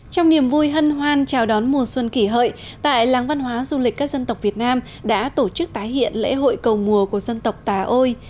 trong niềm vui hân hoan chào đón mùa xuân kỷ hợi tại làng văn hóa du lịch các dân tộc việt nam đã tổ chức tái hiện lễ hội cầu mùa của dân tộc tà ôi